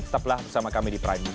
tetaplah bersama kami di prime news